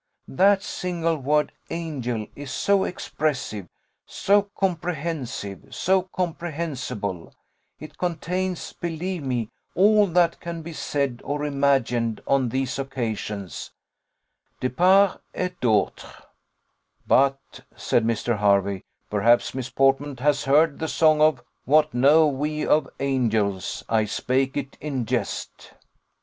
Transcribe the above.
That single word angel is so expressive, so comprehensive, so comprehensible, it contains, believe me, all that can be said or imagined on these occasions, de part et d'autre." "But," said Mr. Hervey, "perhaps Miss Portman has heard the song of 'What know we of angels? I spake it in jest.